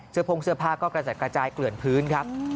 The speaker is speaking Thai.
เซอร์โพงเซอร์ผ้าก็จะกระจายเกลือนพื้นครับ